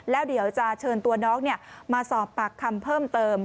แล้วเดี๋ยวจะเชิญตัวน้องมาสอบปากคำเพิ่มเติม